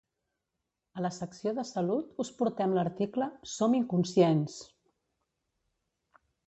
A la secció de salut us portem l'article som inconscients!